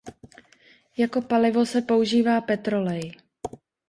Jako palivo se používá petrolej.